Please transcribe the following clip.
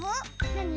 なに？